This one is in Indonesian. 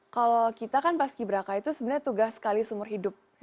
kalau kita kan pas ki braka itu sebenarnya tugas sekali seumur hidup